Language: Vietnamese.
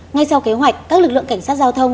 ngay sau kế hoạch các lực lượng cảnh sát giao thông